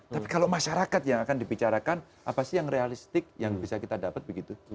tapi kalau masyarakat yang akan dibicarakan apa sih yang realistik yang bisa kita dapat begitu